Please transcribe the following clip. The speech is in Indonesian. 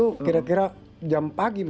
jadi waktu perebutan di pdi itu